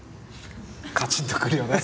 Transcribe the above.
カチンとくるよね